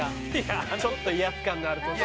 ちょっと威圧感のあるトシ。